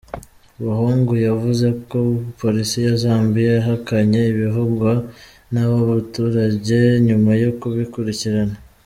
Buhungu yavuze ko polisi ya Zambia yahakanye ibivugwa n’abo baturage nyuma yo kubikurikirana.